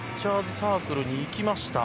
サークルに行きました。